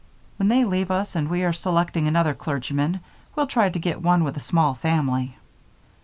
When they leave us and we are selecting another clergyman, we'll try to get one with a small family."